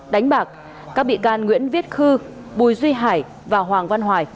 đánh bạc các bị can nguyễn viết khư bùi duy hải và hoàng văn hoài